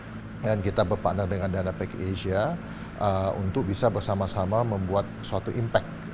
jadi mitra dan kita berpartner dengan danapeg asia untuk bisa bersama sama membuat suatu impact